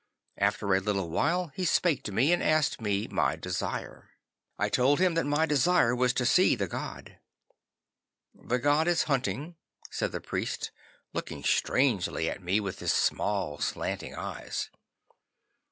'After a little while he spake to me, and asked me my desire. 'I told him that my desire was to see the god. '"The god is hunting," said the priest, looking strangely at me with his small slanting eyes.